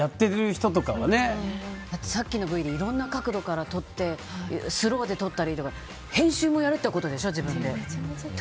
さっきのＶでいろんな角度からスローで撮ったりとか編集もやるってことでしょ、自分で。